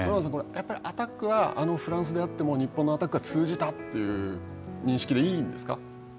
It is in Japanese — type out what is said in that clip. やっぱりアタックはフランスであっても日本のアタックは通じたという認識でいいんですか。